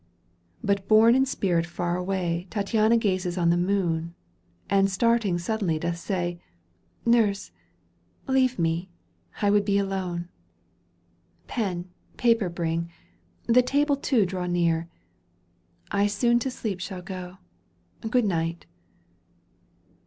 But borne in spirit far away Tattiana gazes on the moon. And starting suddenly doth say :" Nurse, leave me. I would be alone. Pen, paper bring : the table too Draw near. I soon to sleep shall go — Good night."